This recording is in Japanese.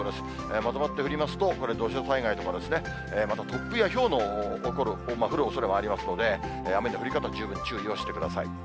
まとまって降りますと、これ、土砂災害とか、また突風やひょうが起こるおそれもありますので、雨の降り方、十分注意してください。